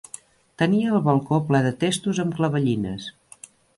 Tenia el balcó ple de testos amb clavellines.